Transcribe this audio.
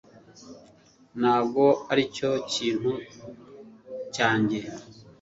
ntabwo aricyo kintu cyanjye